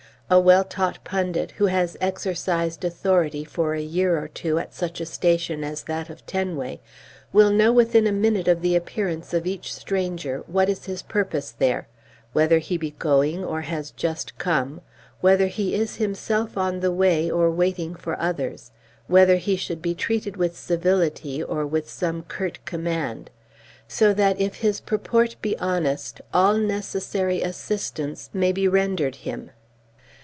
A well taught pundit, who has exercised authority for a year or two at such a station as that of Tenway, will know within a minute of the appearance of each stranger what is his purpose there, whether he be going or has just come, whether he is himself on the way or waiting for others, whether he should be treated with civility or with some curt command, so that if his purport be honest all necessary assistance may be rendered him.